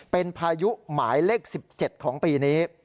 เป็นพายุหมายเลข๑๗ของปีนี้